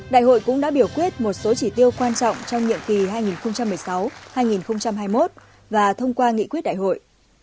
đại hội cũng đã biểu quyết một số chỉ tiêu quan trọng trong nhiệm kỳ hai nghìn một mươi sáu hai nghìn hai mươi một và thông qua nghị quyết đại hội